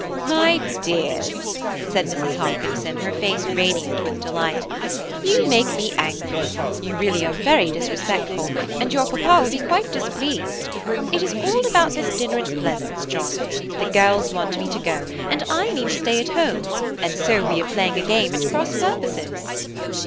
"My dears," said Mrs. Hopkinson, her face radiant with delight, "you make me angry; you really are very disrespectful, and your papa will be quite displeased. It is all about this dinner at Pleasance, John. The girls want me to go, and I mean to stay at home, and so we are playing a game at cross purposes."